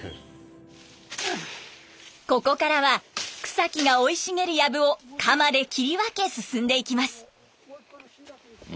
ここからは草木が生い茂るやぶを鎌で切り分け進んでいきます。